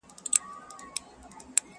o په سپين سر، ململ پر سر٫